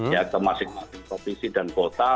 ya ke masing masing provinsi dan kota